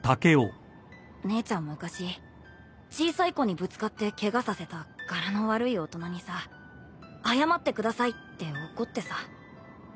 姉ちゃん昔小さい子にぶつかってケガさせた柄の悪い大人にさ「謝ってください」って怒ってさ